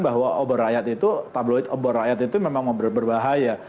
bahwa obor rakyat itu tabloid obor rakyat itu memang berbahaya